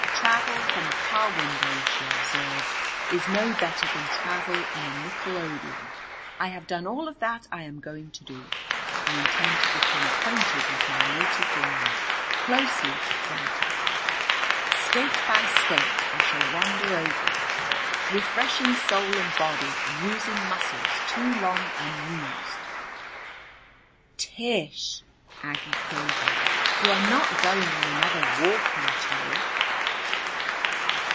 "Travel from a car window," she observed, "is no better than travel in a nickelodeon. I have done all of that I am going to. I intend to become acquainted with my native land, closely acquainted. State by State I shall wander over it, refreshing soul and body and using muscles too long unused." "Tish!" Aggie quavered. "You are not going on another walking tour?"